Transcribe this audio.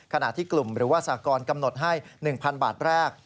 ขณะที่กลุ่มหรือว่าสากรกำหนดให้๑๐๐๐บาทแรก